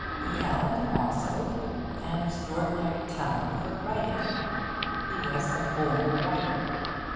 He had, also, an extraordinary talent for writing. He was a born writer.